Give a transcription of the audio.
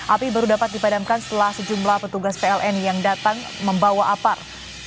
api baru dapat dipadamkan setelah sejumlah petugas pln yang datang membawa apar